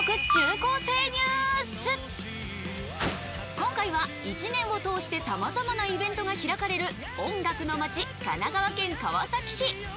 今回は１年を通してさまざまなイベントが開かれる、音楽の街・神奈川県川崎市。